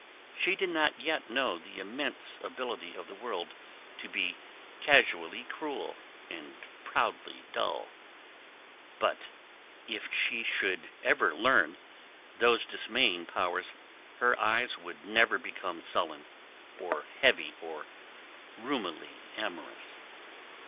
She did not yet know the immense ability of the world to be casually cruel and proudly dull, but if she should ever learn those dismaying powers, her eyes would never become sullen or heavy or rheumily amorous.